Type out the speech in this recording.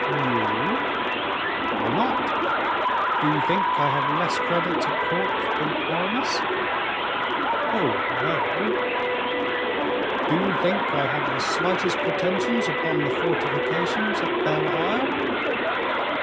"You?" "Why not? Do you think I have less credit at court than Aramis?" "Oh, no!" "Do you think I have the slightest pretensions upon the fortifications at Belle Isle?"